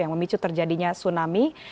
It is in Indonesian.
yang memicu terjadinya tsunami